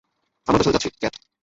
আমরাও তার সাথে যাচ্ছি, ক্যাট!